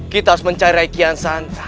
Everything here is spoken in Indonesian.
kita harus mencari rai kian santa